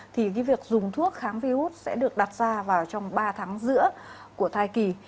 thì việc dùng thuốc kháng virus sẽ được đặt ra vào trong ba tháng giữa của thai kỳ